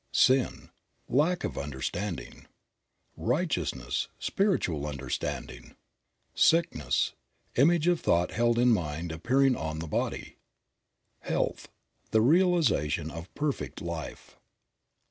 Sin. — Lack of understanding, v Righteousness. — Spiritual understanding. * Sickness. — Image of thought held in mind appearing on* the body. Health. — The realization of perfect life.